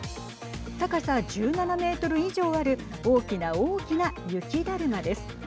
高さ１７メートル以上ある大きな大きな雪だるまです。